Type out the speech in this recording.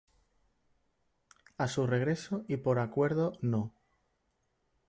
A su regreso y por Acuerdo No.